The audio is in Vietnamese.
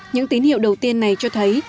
những tín hiệu đầu tiên này cho thấy